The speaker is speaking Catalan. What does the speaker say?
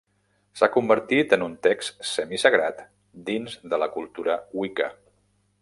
S'ha convertit en un text semi-sagrat dins de la cultura Wicca.